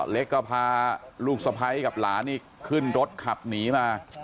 เล็กก็พาลูกสะพ้ายกับหลานนี่ขึ้นรถขับหนีมา